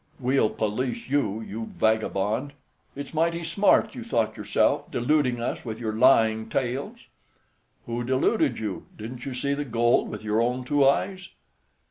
"We'll police you, you vagabond. It's mighty smart you thought yourself, deluding us with your lying tales." "Who deluded you? Didn't you see the gold with your own two eyes?"